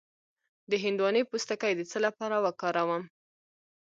د هندواڼې پوستکی د څه لپاره وکاروم؟